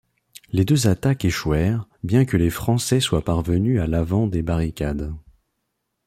Les deux attaques échouèrent, bien que les Français soient parvenus à l'avant des barricades.